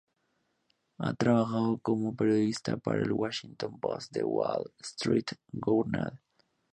Ha trabajado como periodista para el Washington Post y The Wall Street Journal.